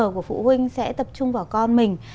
của phụ huynh sẽ tập trung vào con mình